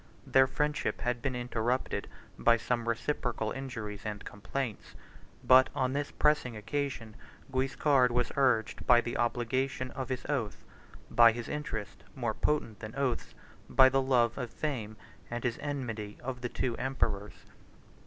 Their friendship had been interrupted by some reciprocal injuries and complaints; but, on this pressing occasion, Guiscard was urged by the obligation of his oath, by his interest, more potent than oaths, by the love of fame, and his enmity to the two emperors.